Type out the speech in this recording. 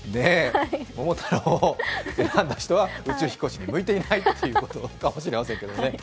桃太郎選んだ人は宇宙飛行士に向いていないということなのかもしれません。